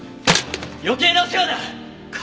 余計なお世話だ！